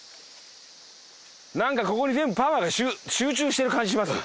なんかここに全部パワーが集中してる感じします。